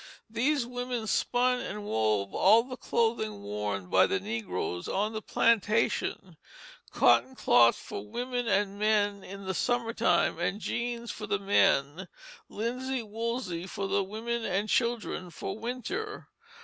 These women spun and wove all the clothing worn by the negroes on the plantation; cotton cloth for women and men in the summer time; and jeans for the men; linsey woolsey for the women and children for winter.